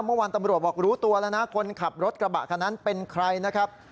เมื่อวานตำรวจบอกรู้ตัวแล้วนะคนขับรถกระบะคันนั้นเป็นใครนะครับ